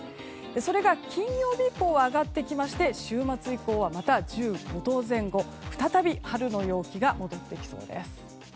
それが金曜日以降は上がってきまして週末以降はまた１５度前後再び春の陽気が戻りそうです。